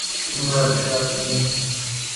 মেঝের উপর পড়ে আছে থালায় বরফি আর কিছু আবির।